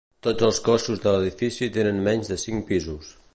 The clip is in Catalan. Tots els cossos de l'edifici tenen menys de cinc pisos.